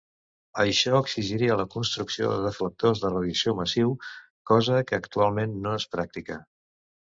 Això exigiria la construcció de deflectors de radiació massius, cosa que actualment no és pràctica.